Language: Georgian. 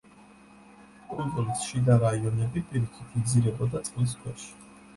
კუნძულის შიდა რაიონები, პირიქით, იძირებოდა წყლის ქვეშ.